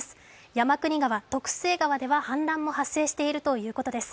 山国川、徳須恵川では氾濫も発生しているということです。